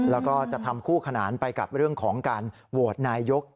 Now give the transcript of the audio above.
แล้วก็จะทำคู่ขนานไปกับเรื่องของการโหวตนายก